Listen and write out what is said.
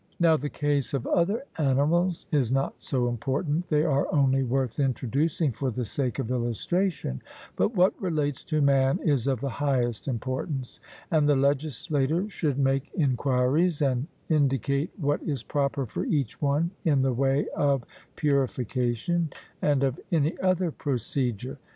Now the case of other animals is not so important they are only worth introducing for the sake of illustration; but what relates to man is of the highest importance; and the legislator should make enquiries, and indicate what is proper for each one in the way of purification and of any other procedure.